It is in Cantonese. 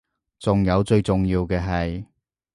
仲有最重要嘅係